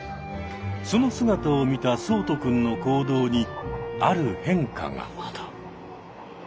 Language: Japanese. その姿を見た聡人くんの行動にある変化が。